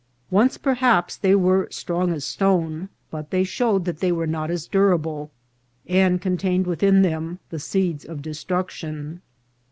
Once, perhaps, they were strong as stone, but they showed that they were not as durable, and con tained within them the seeds of destruction.